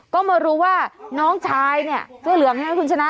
ก็มารู้ว่าน้องชายเนี่ยเสื้อเหลืองใช่ไหมคุณชนะ